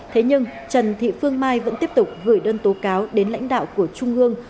thế nhưng trần thị phương mai vẫn tiếp tục gửi đơn tố cáo đến lãnh đạo của trung ương